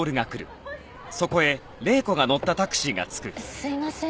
すいません。